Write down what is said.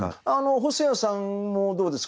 細谷さんもどうですか？